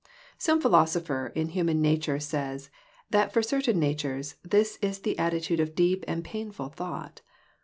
Some philosopher in human nature says, that for certain natures, this is the attitude of deep and painful thought.